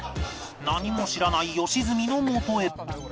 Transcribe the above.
何も知らない良純のもとへ